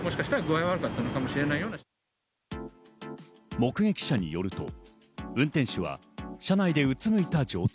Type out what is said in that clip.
目撃者によると、運転手は車内でうつむいた状態。